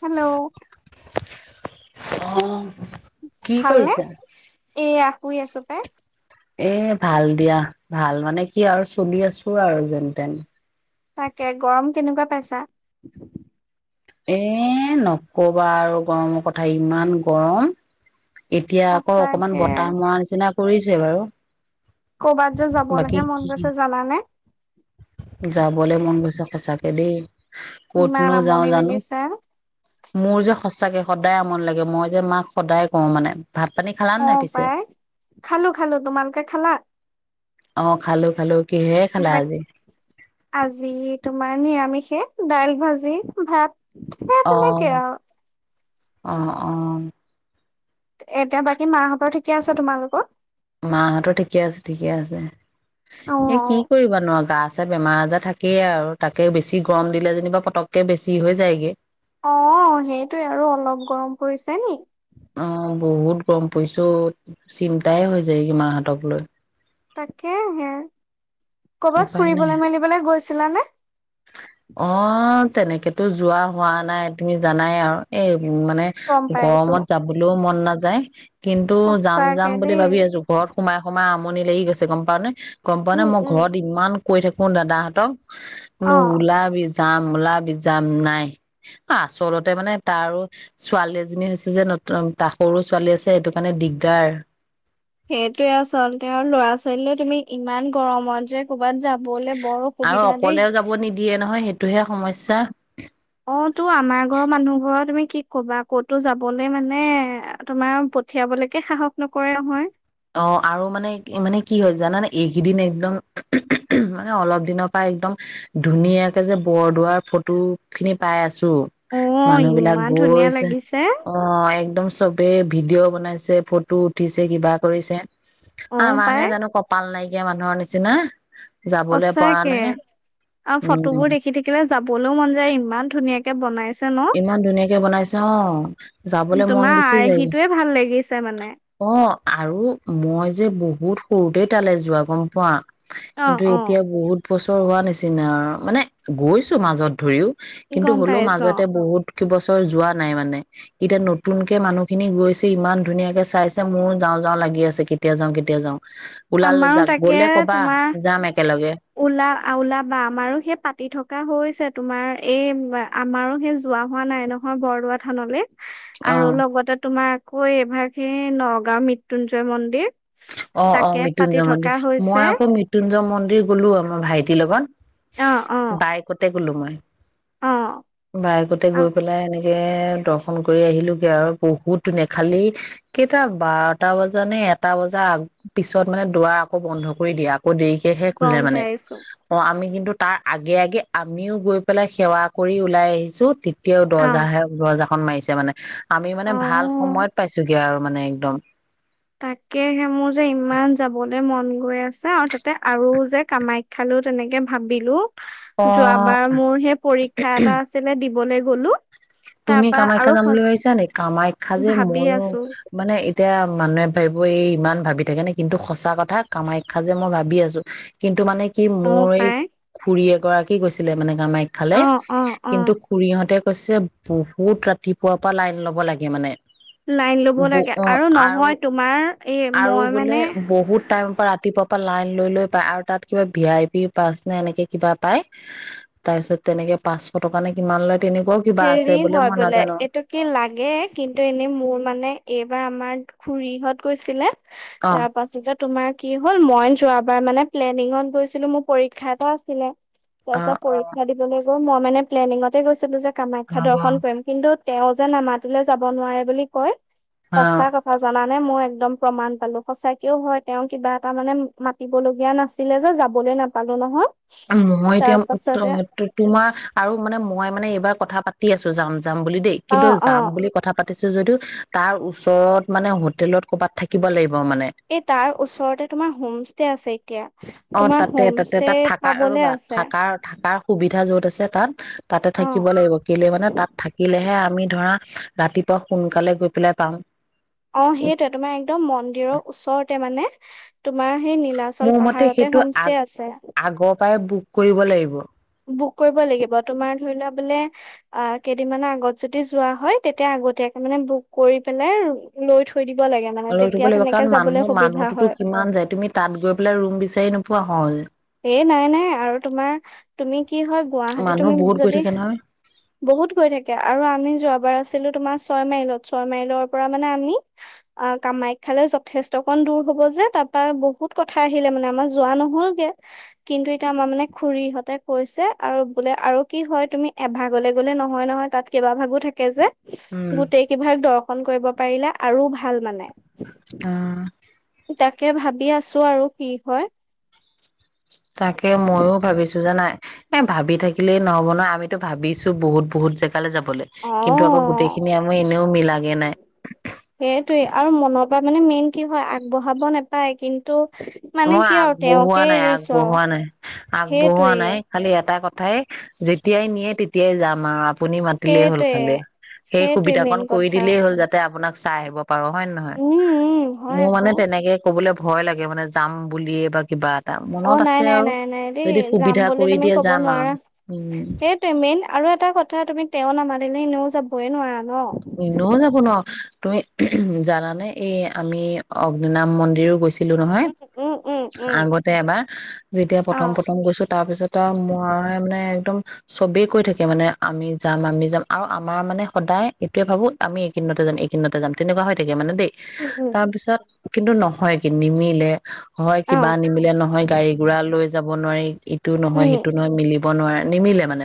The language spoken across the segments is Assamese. হেল্ল' অ কি ভালনে কৰিছা? এইয়া শুই আছো পে এ ভাল দিয়া ভাল মানে কি আৰু চলি আছো আৰু যেন তেন তাকে গৰম কেনেকুৱা পাইছা এ নকবা আৰু গৰমৰ কথা ইমান গৰম এতিয়া আকৌ অকমান সঁচাকে বতাহ মৰা নিচিনা কৰিছে বাৰু কৰ'বাত যে যাব বাকী লাগে মন কি গৈছে জানানে যাবলে মন গৈছে সচাকে দেই ইমান ক'তনো যাওঁ আমনি জানো লাগিছে। মোৰ যে সঁচাকে সদায় আমনি লাগে মই যে মাক সদায় কওঁ মানে ভাত পানী খালা অ' নাই পিছে পাই খালো খালো। তোমালোকে খালা? অ খালো খালো কিহে খালা বাট আজি আজি তোমাৰ নিৰামিষে দাইল ভাজি ভাত সেই অ তেনেকে আৰু। আহ আহ এতিয়া বাকী মাহঁতৰ ঠিকে আছে তোমালোকৰ মাহঁতো ঠিকে আছে ঠিকে আছে এ কি অ' কৰিবা নো গাত তাতে বেমাৰ আজাৰ থাকেই আৰু তাকে বেছি গৰম দিলে যেনিবা পতককে বেছি হৈ যায়গে অ সেইটোৱে আৰু অলপ গৰম পৰিছে নি অ বহুত গম পৰিছো অ চিন্তাই হৈ যায়গে মাহঁতক লৈ তাকে হে কৰ'বাত উপায় নাই ফুৰিবলৈ মেলিবলৈ গৈছে ছিলা নে অ তেনেকেতো যোৱা হোৱা নাই তুমি জানাই আৰু এই উ মানে গম পাইছো গৰমত যাবলৈও মন নাযায় কিন্তু যাম সঁচাকে যাম বুলি দেই। ভাবি আছো ঘৰত সোমাই সোমাই আমনি আমনি লাগি গৈছে গম পা নে গম পোৱা নে উম মই উম ঘৰত ইমান কৈ থাকো কোন দাদাহঁতক অ বোলো ওলাবি যাম ওলাবি যাম নাই আচলতে মানে তাৰো ছোৱালী এজনী হৈছে যে ন ত সৰু ছোৱালী আছে সেইটো কাৰণে দিগদাৰ। সেইটোয়ে আচলতে ল'ৰা ছোৱালী তুমি ইমান গৰমত যে ক'বাত যাব আৰু অকলেও যাব নিদিয়ে নহয় সেইটোহে সমস্যা। অ' তো আমাৰ ঘৰৰ মানুহ ঘৰৰ তুমি কি কবা ক'তো যাবলৈ মানে তোমাৰ পঠিয়াবলৈকে সাহস নকৰে নহয়। অ' আৰু মানে মানে কি হয় জানানে এইকেইদিন একদম উমহ উমহ উমহ মানে অলপ দিনৰ পৰা একদম ধুনীয়াকে যে বৰদোৱাৰ ফটো খিনি পাই আছো। অ মানুহ বিলাক ইমান ধুনীয়া গৈছে লাগিছে অ 'একদম চবে ভিডিঅ' বনাইছে ফটো উঠিছে কিবা কৰিছে। অ পাই আমাৰহে জানো কপাল নাইকিয়া মানুহৰ নিচিনা। নিচিনা সঁচাকে আৰু উম ফটোবোৰ দেখি থাকিলে যাবলৈও মন যায় ইমান ধুনীয়াক এতিয়া বনাইছে। ন। ইমান ধুনীয়াকে বনাইছে অ' যাবলে মন তোমাৰ গুচি যায় আৰ্হিটোৱে ভাল লাগিছে মানে অ 'আৰু মই যে বহুত সৰুতে তালে যোৱা গম পোৱা। অ কিন্তু অ এতিয়া বহুত। বছৰ হোৱা নিচিনা মানে গৈছো মাজত ধৰিও। কি গম পাই আছ' ক'ত বছৰ যোৱা নাই মানে এতিয়া নতুনকে মানুহ খিনি গৈছে ইমান ধুনীয়াকে চাইছে মোৰো যাও যাওঁ লাগি আছে কেতিয়া যাওঁ কেতিয়া যাওঁ। ওলালে আমাৰো যা তাকে গ'লে কবা তোমাৰ যাম একেলগে। ওলা ওলাবা আমাৰো সেই পাতি থকা হৈছে তোমাৰ এই আমাৰো সেই যোৱা হোৱা নাই নহয় বৰদোৱা থানলে। অ আৰু লগতে তোমাৰ আকৌ এইভাগে নগাঁও মৃত্যুঞ্জয় মন্দিৰ। অ -অ তাকে পাতি মৃত্যুঞ্জয় থকা মন্দিৰ হৈছে মই আকৌ মৃত্যুঞ্জয় মন্দিৰ গ'লো আমাৰ ভাইটিৰ লগত। অ অ বাইকতে গলো মই। অ বায়েকতে অ গৈ পেলাই এনেকে দৰ্শন কৰি আহিলোগে আৰু বহুত ধুনীয়া খালি কেইটা বাৰটা বজা নে এটা বজা ৰ পিছত মানে দুৱাৰ আকৌ বন্ধ কৰি দিয়ে আকৌ দেৰিকেহে খুলে গম মানে পাইছো অ আমি কিন্তু কিন্তু তাৰ আগে আগে আমিও গৈ পেলাই সেৱা কৰি ওলাই আহিছো। এতিয়াও অ দৰ্জাহে দৰ্জা খন মাৰিছে মানে আমি অ মানে ভাল সময়ত পাইছোগে আৰু মানে একদম। তাকেহে মোৰ যে ইমান যাবলে মন গৈ আছে আৰু তাতে আৰু যে কামাখ্যালেও তেনেকে ভাবিলো অ', যোৱাবাৰ মোৰ সেই পৰীক্ষা এটা আছিলে দিবলৈ গলো তাৰ তুমি পৰা কামাখ্যা আৰু যাম বুলি সচ ভাবিছা নে কামাখ্যা যে ভাবি ময়ো আছো মানে এতিয়া এতিয়া মানুহে ভাবিব এই ইমান ভাবি থাকে নে কিন্তু সঁচা কথা কামাখ্যা যে মই ভাবি আছো কিন্তু মানে কি অ মোৰ এই পাই খুৰী এগৰাকী। কি কৰিছিলে মানে। কামাখ্যালে খালে অ অ অ কিন্তু খুৰীহঁতে অৱশ্যে বহুত ৰাতিপুৱাৰ পৰা লাইন ল'ব লাগে মানে। লাইন লব ব লাগে অ আৰু নহয় তোমাৰ এ আৰু মই বোলে মানে বহুত টাইমৰ পৰা ৰাতিপুৱাৰ লাইন লৈ -লৈ পায় আৰু তাত কিবা ভি আই পি পাছ নে এনেকে কিবা পায় তাৰ পিছত তেনেকে পাঁচশ টকা নে কিমান লৈ তেনেকুৱও কিবা আছে। ফ্ৰী হয় মই বোলে নাজানো এইটো কি লাগে কিন্তু এনেই মোৰ মানে এইবাৰ আমাৰ খুৰীহঁত গৈছিলে। অ তাৰ পাছিতত তোমাৰ কি হ'ল মই যোৱাবাৰ মানে প্লেনিঙত গৈছিলো মোৰ পৰীক্ষাটো আছিলে। তাৰ অ চ অ পৰীক্ষা দিবলৈ মই মানে প্লেনিঙতে গৈছিলো যে কামাখ্যা ভাবা দৰ্শন কৰিম কিন্তু তেওঁ যে নামাতলৈ যাব নোৱাৰে বুলি কয়। হা সঁচা কথা জানা মানে মই একদম প্ৰমাণ পালো সচেও হয় তেওঁ কিবা এটা মানে মাতিব লগগীয়া নাছিলে যে যাবলৈ নাপালো নহয়। মই এতিয়া তাৰ পাছতে তোমাৰ আৰু মানে মই মানে এইবাৰ কথা প [unintelligible] দি আছো যাম যাম বুলি দেই অ কিন্তু অ যাম বুলি কথা পাতিছো যদিও তাৰ ওচৰত মানে হোটেলত কৰবাত থাকিব লাগিব। মানে এই তাৰ ওচৰতে তোমাৰ হোম ষ্টে আছে এতিয়া অ', তোমাৰ তাতে- হোম তাতে ষ্টে তাত থাক পাবলে ৰবা, আছে থাকা - থাকা সুবিধা যত আছে। তাত তাতে অ থাকিব লাগিব কেলৈ মানে তাত থাকিলেহে আমি ধৰা ৰাতিপুৱা সোনকালে গৈ পেলাই পাম। অ', সেইটোৱে তোমাৰ একদম মন্দিৰৰ ওচৰতে মানে তোমাৰ সেই নীলাচল মোৰ মতে পাহাৰতে সেইটো আগ হোমষ্টে আছে। আগৰ পৰাই বুক কৰিব লাগিব। বুক কৰিব লাগিব তোমাৰ ধৰি লোৱা বোলে অ', কেইদিনমান আগত যদি যোৱা হয় তেতিয়া আগতীয়াকৈ মানে বুক কৰি পেলাই ৰোম লৈ থৈ দিব লাগে মানে লৈ তেতিয়া থব লাগিব তেনেকে কাৰণ যাবলৈ মানুহ সুবিধা -মানুহতোতো হয় কিমান যায় তুমি তাত গৈ পেলাই ৰুম বিচাৰি নোপ পোৱা হয়। এ', নাই -নাই আৰু তোমাৰ তুমি কি হয় গুৱাহাটী মানুহ তুমি বহুত গৈ যদি, থাকে নহয়। বহুত গৈ থাকে আৰু আমি যোৱা এবাৰ আছিলো তোমাৰ ছয় মাইলত ছয়মাইলৰ পৰা মানে আমি অ কামাখ্যালৈ যথেষ্ট কন দূৰ হব যে তাৰ পৰা বহুত কথা আহিলে মানে আমাৰ যোৱা নহলগে। কিন্তু এতিয়া আমাৰ মানে খুৰীহঁতে কৈছে আৰু বোলে আৰু কি হয় তুমি এভাগলে গ'লে নহয় নহয় তাত কেইবা ভাগো থাকে যে। উম। গোটেই কিভাগ দক ন' কৰিব পাৰিলে আৰু ভাল মানে? অ', তাকে ভাবি আছো আৰু কি হয়? তাকে ময়ো ভাবিছো। জানাই এ', ভাবি থাকিলে নহব ন আমিতো ভাবিছো বহুত -বহুত জেগা সকালে যাবলৈ কিন্তু আকৌ অ'। গোটেইখিনি আমি এনেও মিলাগে নাই। সেইটোৱে আৰু মনৰ পৰা মানে মেইন কি হয় আগবঢ়াব নেপায় কিন্তু মানে মই কি আৰু আগবঢ়োৱা তেওঁকে নাই এৰিছো আৰু আগবঢ়োৱা নাই আগবঢ়োৱা সেইটোৱে নাই খালি এটা কথা ঠাই যেতিয়াই নিয়ে তেতিয়াই যাম আৰু আপুনি মাতিলেই হ'ল সেইটোৱে। খালি সেই সেইটোৱে সুবিধা কন মেইন কৰি কথা। দিলেই হ'ল যাতে আপোনাক চাই আহিব। হয় নে নহয় উম উম হয় মোৰ আকৌ মানে তেনেকে কবলৈ ভয় লাগে মানে। যাম বুলিয়ে বা কিবা এটা অ মনত নাই আছে নাই আৰু নাই নাই দেই যদি যাম সুবিধা বুলি কৰি তুমি দিয়ে কব যাম আৰু নোৱাৰা উম সেইটোৱে মেইন আৰু এটা কথা কথা তুমি তেও নামানিলে এনেও যাবই নোৱাৰা ন ইনও যাব নোৱাৰো। তুমি জানানে এই আমি অগ্নিনাভ মন্দিৰো গৈ ছিলো নহয়। উম উম উম আগতে এবাৰ যেতিয়া অ প্ৰথম প্ৰথম গৈছো তাৰ পিছত আৰু মই মানে একদম। চবেই কৈ থাকে মানে আমি যাম আমি যাম আৰু আমাৰ মানে সদায় এইটোয়ে ভাবো আমি এইকেইদিনতে যাম এইকেইদিনতে যাম তেনেকুৱা হৈ থাকে মানে দেই উম উম তাৰপিছত। কিন্তু নহয় কি নিমিলে। হয় অ কিবা নিমিলে নহয় গাড়ী ঘোৰা লৈ যাব নোৱাৰি ইটো নহয় উম সিটো নহয় মিলি। বনোৱাৰ নিমিলে মানে।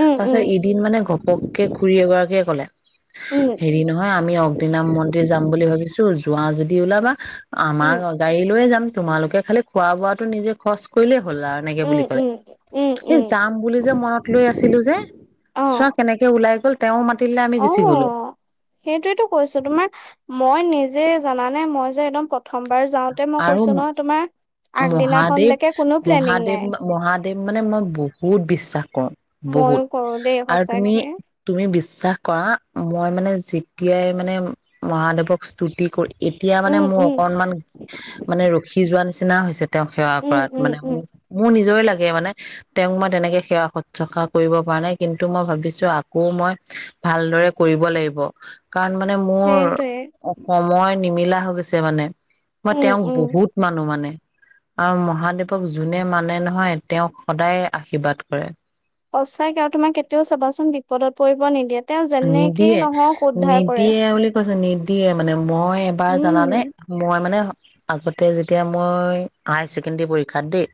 উম পাছত উম এদিন মানে ঘপককে খুৰী এগৰাকীয়ে কলে উম হেৰি নহয় আমি অগ্নিনাভ মন্দিৰ যাম বুলি ভাবিছো যোৱা যদি ওলাবা আমাৰ উম গাড়ী লৈইয়ে যাম তোমালোকে খালি খোৱা বোৱাটো নিজে খৰচ কৰিলেই হল আৰু এনেকে উম বুলি কলে উম উম উম স যাম বুলি যে মনত লৈ আছিলো যে অ চোৱা কেনেকে ওলাই গ'ল তেওঁ মান অ সেইটোয়েতো কৈছো তোমাৰ মই নিজ যে জানা নে মই যে একদম প্ৰথমবাৰ যাওঁতে মই আৰু কৈছো ন তোমাৰ মহাদেৱ আগদিনাখনলৈকে কোনো প্লেনিং মহাদেৱ নাই মহাদেৱ মানে মই বহুত বিশ্বাস ময়ো বহুত কৰো দেই আৰু তুমি সঁচাকে তুমি বিশ্বাস কৰা মই মানে যেতিয়াই মানে মহাদেৱক স্তুতি কৰি এতিয়া মানে উম মোৰ উম অকনমান মানে ৰখি যোৱা নিচিনা হৈছে তেওঁক সেৱা উম, কৰাত উম, মানে ম উম, মোৰ নিজৰে লাগে গে মানে তেওঁক মই তেনেকে সেৱা শুশ্ৰূষা কৰিব পৰা নাই কিন্তু মই ভাবিছো আকৌ মই ভালদৰে কৰিব লাগিব কাৰণ মানে মোৰ সেইটোৱে অ সময় নিমিলা হৈ গৈছে ছে মানে মই উম, তেওঁক উম। বহুত মানো মানে আৰু মহাদেৱক যোনে মানে নহয় তেওঁক সদায়ে আশীৰ্বাদ কৰে সঁচাকে আৰু তোমাক কেতিয়াও চাবাচোন বিপদত পৰিব নিদিয়ে তেওঁ যেনেকেই নিদিয়ে নহওক উদ্ধাৰ কৰে। নিদিয়ে বুলি কৈছে নিদ দিয়ে মানে মই এবাৰ জানানে উম, মই মানে আগতে যেতিয়া মই হাই ছেকেণ্ডৰী পৰীক্ষাত দেই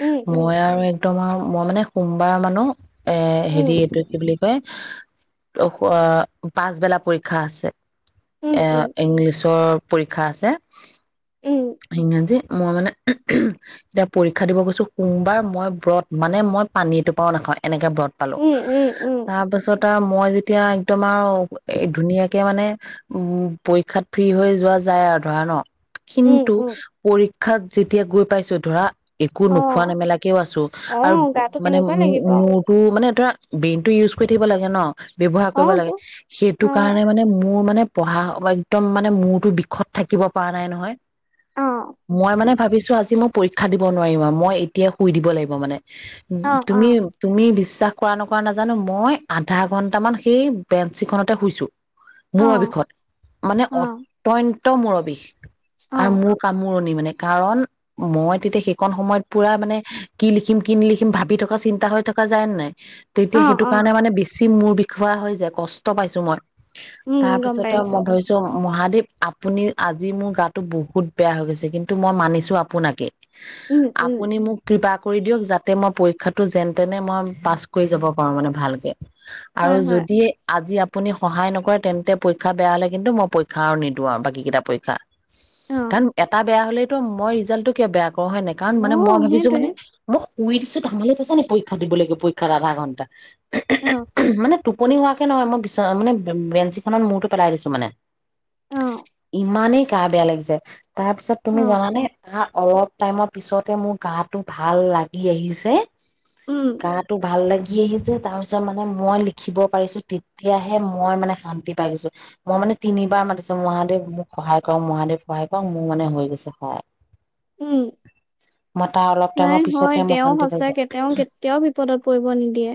উম, উম, মই আৰু তোমাৰ মই মানে সোমবাৰ মানো এ উম, হেৰি এইটো কি বুলি কয় হা ত ক আ পাছবেলা পৰীক্ষা আছে উম, এ উম, ইংলিছৰ পৰীক্ষা আছে উম। ইংৰাজী মই মানে এতিয়া পৰীক্ষা দিব গৈছো সোমবাৰ মই ব্ৰত মানে মই পানীটোপাও নাখাওঁৱে এনেকে ব্ৰত পালো উম, উম, উম, তাৰপাছত দম মই যেতিয়া একদম মাৰ আৰু এ ধুনীয়া কে মানে উম পৰীক্ষাত ফ্ৰী হৈ যোৱা যায় আৰু ধৰা ন উম, কিন্তু উম, পৰীক্ষাত যেতিয়া গৈ পাইছো ধৰা একো নোখোৱা অ', নেমেলাকেও আছো আৰু অ', গাটো মানে কেনেকুৱা মো লাগিব। মোৰতো মানে ধৰা ব্ৰেইনটো ইউজ কৰি থাকিব লাগে ন ব্যৱহাৰ কৰিব অ', তো লাগে সেইটো কাৰণে অ', মানে মোৰ মানে পঢ়া স একদম মানে মূৰটো বিষত থাকিব পৰা নাই নহয় অ', মই মানে ভাবিছো আজি মো পৰীক্ষা দিব নোৱাৰিম আৰু মই এতিয়াই শুই দিব লাগিব মানে অ', অ', তুমি অ', তুমি বিছ শ্বাস কৰা নকৰা নাজানো মই আধা ঘন্ট টামান সেই বেঞ্চিখনতে শুইছো মোৰ অবিষত মানে অ', অত্য় ত মূৰৰ বিষ আৰু অ'। মোৰ কামোৰণি মানে কাৰণ মই তেতিয়া সেইখন সময়ত পুৰা মানে কি লিখিম কি নিলিখিম ভাবি থকা চিন্তা হৈ থকা যায় নে নাই অ', তেতিয়া সেইটো অ', কাৰণে মানে বেছি মোৰ খোৱা হৈ যে কষ্ট পাইছো মই উম, তাৰ গম পিছত পাইছো মই ধৰিছো মহাদেৱ আপুনি আজি মোৰ গাটো বহুত বেয়া হৈ গৈছে কিন্তু মই মানিছো আপোনাকে উম, উম, আপুনি মোক কৃপা কৰি দিয়ক যাতে মই পৰীক্ষাটো যেন তেনে মই পাছ কৰি যাব পাৰো মানে ভালকে আৰু হয়, হয়, যদি আজি আপুনি সহায় নকৰে তেন্তে পৰীক্ষা বেয়া হ'লে কিন্তু মই পৰীক্ষা আৰু নিদিওঁ আৰু বাকী কেইটা পৰীক্ষা অ'। কাৰণ এটা বেয়া হলে ত মই ৰিজাল্টটো কিয় বেয়া প হয় নাই কাৰণ মানে মই অ', ভাবিছো মানে সেইটোৱে মোক শুই দিছো ধেমালি পাইছা নি পৰীক্ষা দিব লাগিব পৰীক্ষাৰ আধা ঘণ্টা অ মানে টোপনি হোৱাকে নহয় মই বিছনা মানে বেঞ্চ খনত মূৰটো পেলাই দিছো মানে অ', ইমানেই গা বেয়া লাগিছে তাৰ পিছত তুমি অ', জানানে আহ অলপ টাইমৰ পিছতে মোৰ গা টো ভাল লাগি আহিছে উম, গা টো ভাল লাগে ইি যে তা পিছত মান মানে মই লিখিব পাৰিছো তেতিয়াহে মই মানে শান্তি পাই গৈছো মই মানে তিনিবাৰ মাতিছো মহাদেৱ মোক সহায় কৰক মহাদেৱ সহায় কৰক মোৰ মানে হৈ গৈছে সহায় উম মই তাৰ অলপ নাই টাইমৰ হয় পিছতে মই তেওঁ শান্তি পাইছো সচাকে তেওঁ কেতিয়াও বিপদত পৰিব নিদিয়ে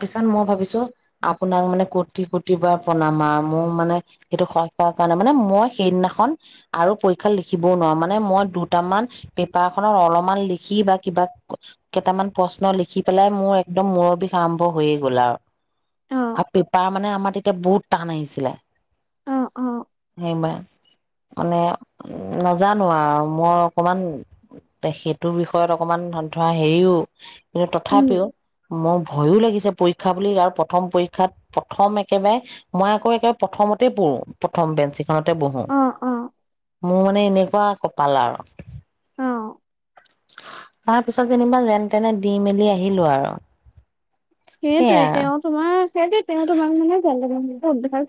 তাৰপিছত মই ভাবিছো আপোনাক মানে কোটি কোটি বাৰ প্ৰনাম আৰু মোৰ মানে সেইটো সায় কৰোৱাৰ কাৰণে মানে মই সেইদিনাখন আৰু পৰীক্ষা লিখিবও নোৱাৰো মানে মই দুটামান পেপাৰখনত অলপমান লিখি বা কিবা কেইটামান প্ৰশ্ন লিখি পেলাই মোৰ একদম মূৰৰ বিষ আৰম্ভ হৈয়ে গ'ল অ আৰু আপি পাপ মানে আমাৰ এতিয়া বহুত টান আহিছিলে অ অ মা মানে নাজানো আৰু মই অকমান সেইটোৰ বিষয়ত অকমান ধৰা হেৰিও কিন্তু উম তথাপিও মই ভয়ও লাগিছে পৰীক্ষা বুলি আৰু প্ৰথম পৰীক্ষাত প্ৰথম একেবাৰে মই আকৌ একেবাৰে প্ৰথমতে পঢ়ো প্ৰথম বেঞ্চ বহো অ অ মোৰ মানে এনেকুৱা কপাল আৰু অ তাৰ পিছত যেনিবা যেন তেনে দি মেলি আহিলো আৰু সেইটোৱে সেইয়াই আৰু তেওঁ তোমাৰ সেই তেওঁ তোমাক মানে জ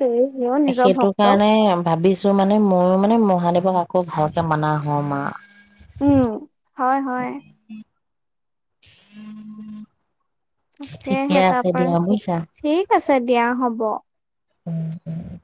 সেইটো কাৰণে ভাবিছো। মানে ময়ো মানে মহাদেৱক আকৌ ভালকে মাননা হমাৰ উম', হয় - হয় উম', তাকেহে তাৰপৰা বুজিছা ঠিক, আছে দিয়া হ'ব। উম- উম -উম